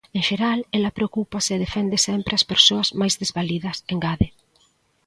"En xeral, ela preocúpase e defende sempre as persoas máis desvalidas", engade.